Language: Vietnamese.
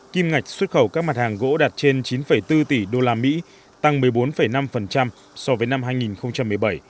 kim ngạch xuất khẩu các mặt hàng gỗ đạt trên chín bốn tỷ usd tăng một mươi bốn năm so với năm hai nghìn một mươi bảy